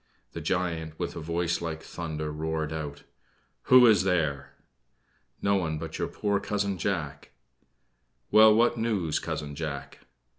The giant, with a voice like thunder, roared out: "Who is there?" "No one but your poor Cousin Jack." "Well, what news, Cousin Jack?"